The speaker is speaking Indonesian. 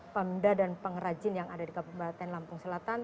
pemda dan pengrajin yang ada di kabupaten lampung selatan